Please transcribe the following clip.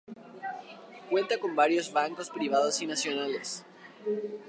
Cuenta con varios bancos privados y nacionales.